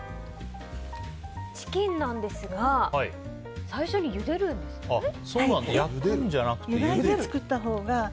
チキンなんですが最初にゆでるんですね。